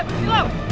pak pak pak